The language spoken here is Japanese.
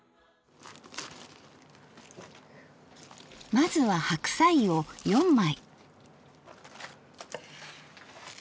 まずは白菜を４枚。